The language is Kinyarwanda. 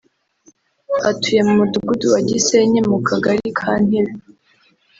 atuye mu Mudugudu wa Gisenyi mu Kagari ka Ntebe